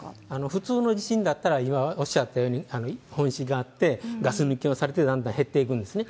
普通の地震だったら、今おっしゃったように、本震があって、ガス抜きをされて、だんだん減っていくんですね。